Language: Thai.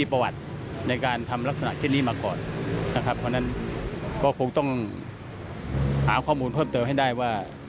เพราะฉะนั้นก็คงต้องหาข้อมูลเพิ่มเติมให้ได้ว่า